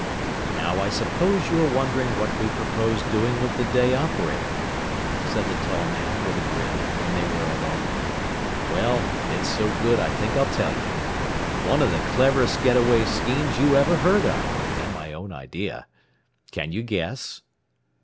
"Now I suppose you are wondering what we propose doing with the day operator," said the tall man, with a grin, when they were alone. "Well, it's so good I think I'll tell you. One of the cleverest getaway schemes you ever heard of, and my own idea. Can you guess?"